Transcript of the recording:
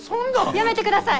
やめてください！